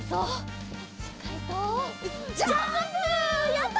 やった！